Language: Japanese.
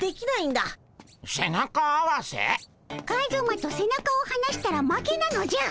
カズマと背中をはなしたら負けなのじゃ。